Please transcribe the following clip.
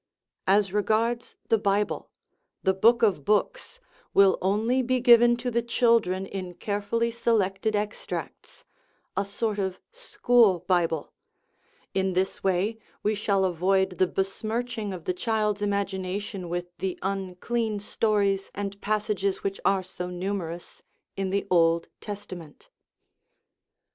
As regards the Bible, the "book of books" will only be given to the children in carefully selected extracts (a sort of "school Bible "); in this way we shall avoid the besmirching of the child's imagination with the unclean stories and passages which are so numerous in the Old Tes tament.